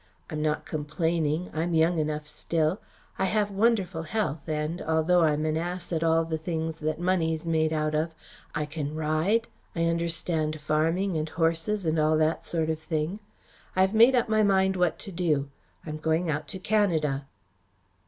I'm not complaining. I'm young enough still. I have wonderful health and, although I'm an ass at all the things that money's made out of, I can ride, I understand farming and horses and all that sort of thing. I have made up my mind what to do. I am going out to Canada."